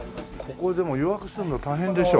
ここでも予約するの大変でしょう？